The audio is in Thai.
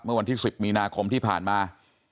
เมื่อวันที่๑๐มีนาคมที่ผ่านมา